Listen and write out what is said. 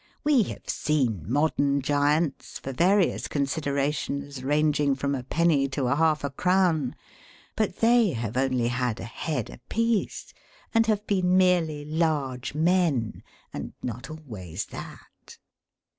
We have seen modern giants, for various considerations ranging from a penny to kalf a crown ; but, they have only had a head a piece, and have been merely large men, and not always that.